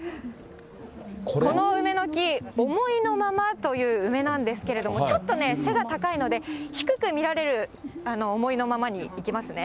この梅の木、思いのままという梅なんですけども、ちょっとね、背が高いので、低く見られる思いのままに行きますね。